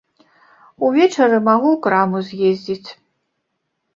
Увечары магу ў краму з'ездзіць.